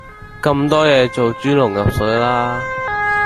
咁多嘢做豬籠入水啦